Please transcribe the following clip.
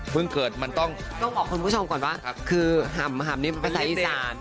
เพิ่งเกิดมันต้องต้องบอกคนผู้ชมก่อนปะครับคือห่ำห่ำนี้เป็นภาษาอีสาน